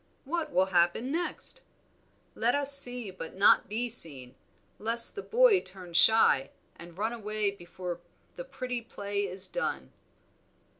What will happen next? Let us see but not be seen, lest the boy turn shy and run away before the pretty play is done!"